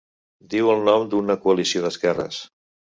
Diu el nom d'una coalició d'esquerres.